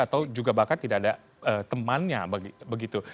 atau juga bahkan tidak ada temannya begitu